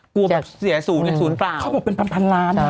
กลัวแบบเสียศูนย์แบบศูนย์เปล่าเขาบอกเป็นพันพันล้านอ่ะ